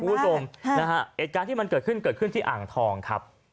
ภูมิสมเอกการที่มันเกิดขึ้นที่อ่างทองครับ